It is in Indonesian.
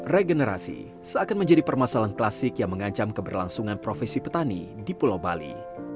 regenerasi seakan menjadi permasalahan klasik yang mengancam keberlangsungan profesi petani di pulau bali